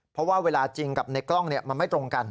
เพราะว่าเวลาจริงกับในกล้องมันไม่ตรงกัน